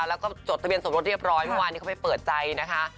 แล้วก็จดทะเบียนสมรสเรียบร้อยเมื่อวานนี้เขาไปเปิดใจนะคะ